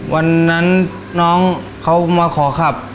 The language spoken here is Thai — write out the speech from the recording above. วันนั้นน้องเขามาขอขับ